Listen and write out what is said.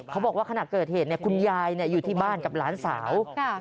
เขาบอกว่าขณะเกิดเหตุเนี่ยคุณยายเนี่ยอยู่ที่บ้านกับหลานสาวค่ะ